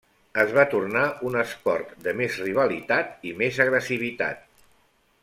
Es va tornar un esport de més rivalitat i més agressivitat.